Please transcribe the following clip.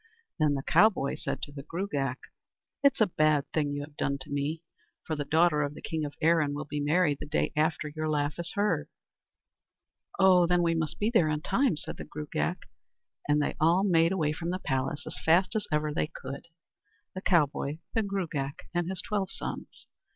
Then the cowboy said to the Gruagach: "It's a bad thing you have done to me, for the daughter of the king of Erin will be married the day after your laugh is heard." "Oh! then we must be there in time," said the Gruagach; and they all made away from the place as fast as ever they could, the cowboy, the Gruagach, and his twelve sons.